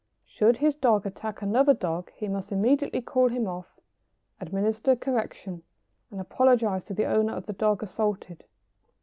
Should his dog attack another dog he must immediately call him off, administer correction, and apologise to the owner of the dog assaulted.